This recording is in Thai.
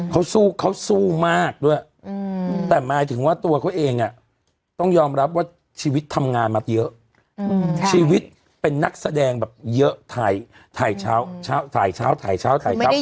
เขาสู้เขาสู้มากด้วยแต่หมายถึงว่าตัวเขาเองอ่ะต้องยอมรับว่าชีวิตทำงานมาเยอะชีวิตเป็นนักแสดงเยอะไทยไทยเช้าเช้า